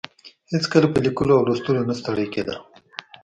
هېڅکله په لیکلو او لوستلو نه ستړې کیده.